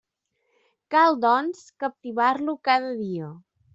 Cal, doncs, captivar-lo cada dia.